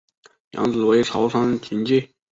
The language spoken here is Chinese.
养子为朝仓景纪。